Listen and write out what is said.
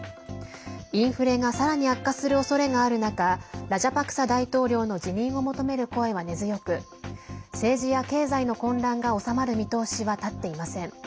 インフレがさらに悪化するおそれがある中ラジャパクサ大統領の辞任を求める声は根強く政治や経済の混乱が収まる見通しは立っていません。